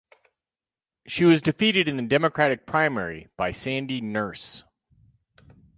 She was defeated in the Democratic primary by Sandy Nurse.